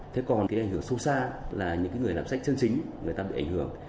thế còn cái ảnh hưởng sâu xa là những người làm sách chân chính người ta bị ảnh hưởng